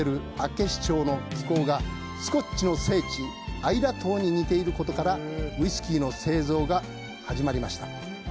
深い霧が出る厚岸町の気候がスコッチの聖地・アイラ島に似ていることからウイスキーの製造が始まりました。